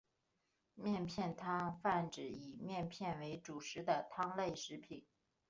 面片汤泛指以面片为主食的汤类食品。